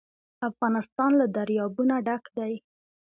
افغانستان له دریابونه ډک دی.